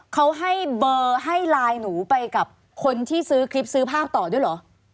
เขาให้เบอร์ให้ไลน์หนูไปกับคนที่ซื้อคลิปซื้อภาพต่อด้วยเหรอ